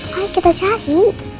mari kita cari